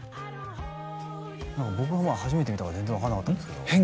僕はまあ初めて見たから全然分かんなかったんですけどうん？